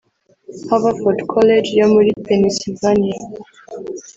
Haverford College yo muri Pennsylvania